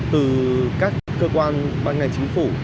từ các cơ quan băng ngành chính phủ